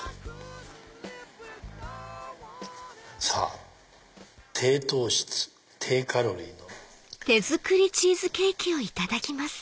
さぁ低糖質低カロリーの。